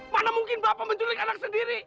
mana mungkin bapak menculik anak sendiri